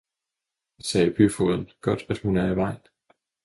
sagde byfogeden, godt, at hun er af vejen.